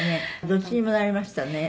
「どっちにもなれましたね」